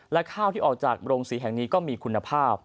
และข้าวที่ออกจากโรงสีแห่งนี้ก็มีคุณภาพ